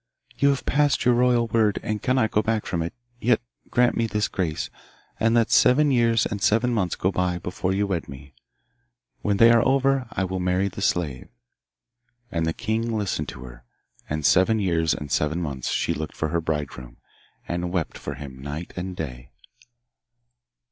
'You have passed your royal word, and cannot go back from it Yet grant me this grace, and let seven years and seven months go by before you wed me. When they are over, then I will marry the slave.' And the king listened to her, and seven years and seven months she looked for her bridegroom, and wept for him night and day.